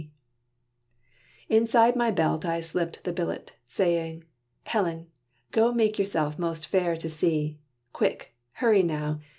D." Inside my belt I slipped the billet, saying, "Helen, go make yourself most fair to see: Quick! hurry now!